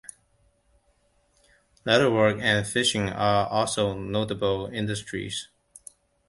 Leatherwork and fishing are also notable industries.